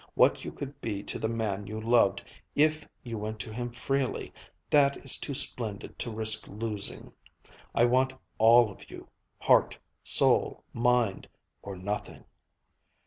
What you could be to the man you loved if you went to him freely that is too splendid to risk losing. I want all of you heart, soul, mind or nothing!"